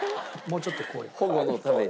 保護のために。